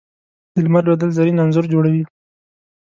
د لمر لوېدل زرین انځور جوړوي